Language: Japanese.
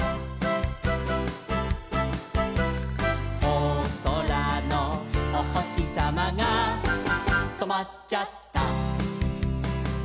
「おそらのおほしさまがとまっちゃった」